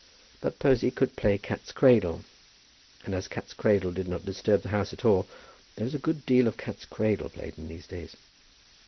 But Posy could play cat's cradle, and as cat's cradle did not disturb the house at all, there was a good deal of cat's cradle played in these days.